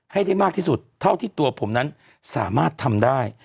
ให้ได้มากที่สุดเท่าที่ตัวผมนั้นสามารถทำได้